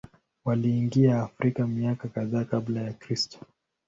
Waliingia Afrika miaka kadhaa Kabla ya Kristo.